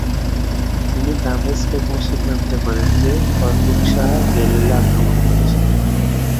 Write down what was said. তিনি দামেস্কে পৌছে জানতে পারেন যে ফররুখশাহ গেলিলি আক্রমণ করেছেন।